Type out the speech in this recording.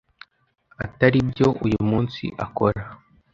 atari byo uyu munsi akora.